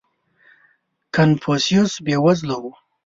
• کنفوسیوس بېوزله و.